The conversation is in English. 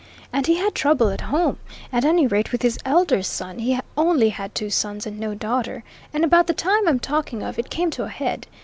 And he had trouble at home, at any rate with his elder son, he only had two sons and no daughter, and about the time I'm talking of it came to a head.